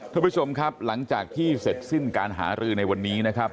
ท่านผู้ชมครับหลังจากที่เสร็จสิ้นการหารือในวันนี้นะครับ